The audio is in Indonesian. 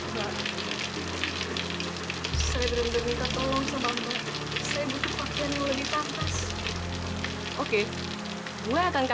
mbak saya bener bener minta tolong sama mbak